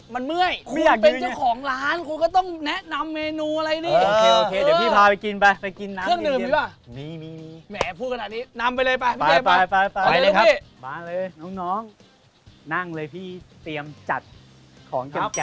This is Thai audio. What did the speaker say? มันเมื่อยคุณอยากเป็นเจ้าของร้านคุณก็ต้องแนะนำเมนูอะไรนี่